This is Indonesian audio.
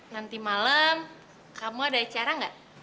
nanti malam kamu ada acara nggak